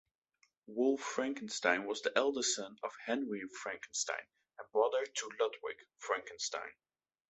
Wolf Frankenstein was the elder son of Henry Frankenstein and brother to Ludwig Frankenstein.